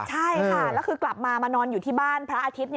ใช่ค่ะแล้วคือกลับมามานอนอยู่ที่บ้านพระอาทิตย์